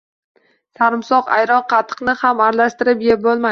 Sarimsoq, ayron, qatiqni ham aralashtirib yeb bo‘lmaydi.